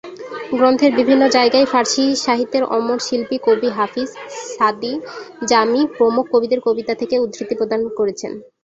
গ্রন্থের বিভিন্ন জায়গায় ফারসি সাহিত্যের অমর শিল্পী কবি হাফিজ, সাদি, জামি প্রমুখ কবিদের কবিতা থেকে উদ্ধৃতি প্রদান করেছেন।